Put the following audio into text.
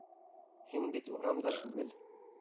Һин бит урамда түгел.